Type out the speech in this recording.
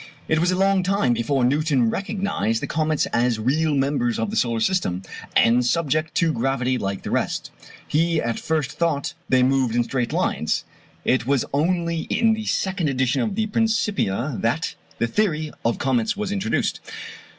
It was a long time before Newton recognized the comets as real members of the solar system, and subject to gravity like the rest. He at first thought they moved in straight lines. It was only in the second edition of the Principia that the theory of comets was introduced.